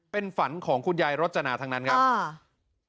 เป็นฝันของคุณยายรจนาทั้งนั้นครับอ่า